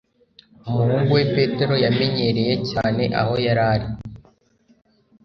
Umuhungu we Petero yamenyereye cyane aho yari ari